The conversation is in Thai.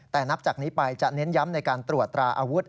แต่นับจากนี้ไปจะเน้นย้ำในการตรวจตราอาวุธ